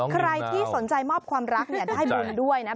ใครที่สนใจมอบความรักได้บุญด้วยนะ